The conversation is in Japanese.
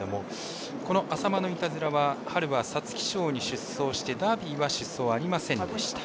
このアサマノイタズラは春は皐月賞に出走してダービーは出走ありませんでした。